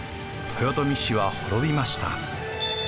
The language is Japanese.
豊臣氏は滅びました。